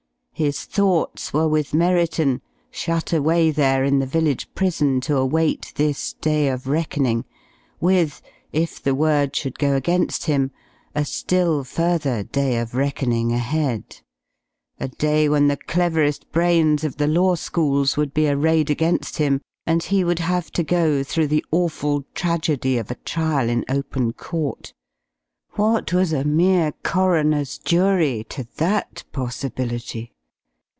His thoughts were with Merriton, shut away there in the village prison to await this day of reckoning, with, if the word should go against him, a still further day of reckoning ahead. A day when the cleverest brains of the law schools would be arrayed against him, and he would have to go through the awful tragedy of a trial in open court. What was a mere coroner's jury to that possibility?